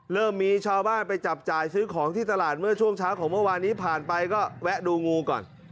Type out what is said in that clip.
เริ่มมีชาวบ้านไปจับจ่ายซื้อของที่ตลาดเมื่อช่วงเช้าของเมื่อวานนี้ผ่านไปก็แวะดูงูก่อน